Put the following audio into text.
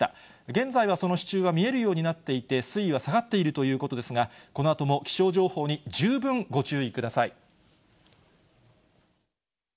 現在はその支柱は見えるようになっていて、水位は下がっているということですが、このあとも気象情報に十分ご注意ください。